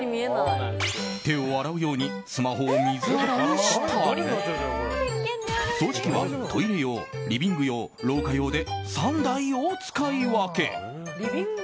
手を洗うようにスマホを水洗いしたり掃除機は、トイレ用、リビング用廊下用で３台を使い分け。